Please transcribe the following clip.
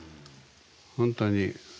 本当に。